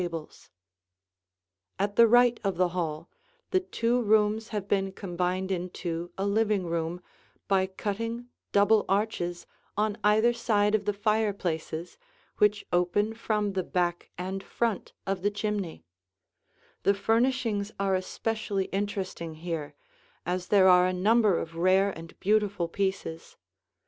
[Illustration: The Sun Parlor or Out door Nursery] [Illustration: The Library] At the right of the hall, the two rooms have been combined into a living room by cutting double arches on either side of the fireplaces which open from the back and front of the chimney. The furnishings are especially interesting here, as there are a number of rare and beautiful pieces.